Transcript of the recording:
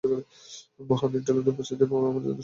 মহান ইটার্নালদের উপস্থিতি পাওয়া আমার জন্য সত্যিই সম্মানের।